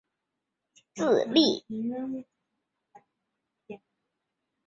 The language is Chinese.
这是中苏民航的苏联股份能够已交给我国自力经营的物质基础。